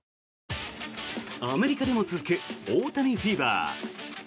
アメリカでも続く大谷フィーバー。